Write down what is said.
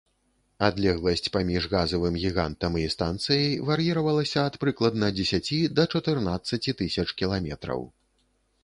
Адлегласць паміж газавым гігантам і станцыяй вар'іравалася ад прыкладна дзесяці да чатырнаццаці тысяч кіламетраў.